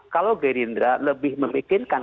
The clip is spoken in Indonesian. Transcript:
kalau gerindra lebih memikirkan